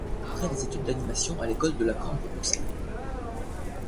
Après des études d'animation à l'école de la Cambre à Bruxelles.